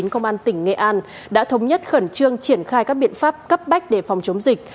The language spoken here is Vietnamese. công an tỉnh nghệ an đã thống nhất khẩn trương triển khai các biện pháp cấp bách để phòng chống dịch